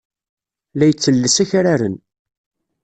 La yettelles akraren.